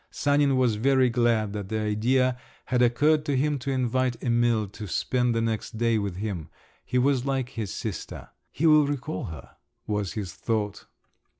Sanin was very glad that the idea had occurred to him to invite Emil to spend the next day with him; he was like his sister. "He will recall her," was his thought.